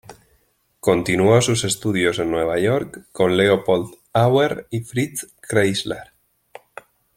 Continuó sus estudios en Nueva York con Leopold Auer y Fritz Kreisler.